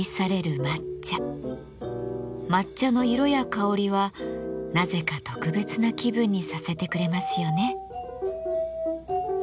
抹茶の色や香りはなぜか特別な気分にさせてくれますよね。